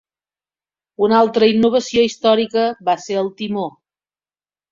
Una altra innovació històrica va ser el timó.